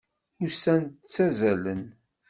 Ussan ttazalen.